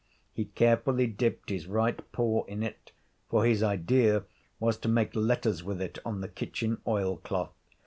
He carefully dipped his right paw in it, for his idea was to make letters with it on the kitchen oil cloth.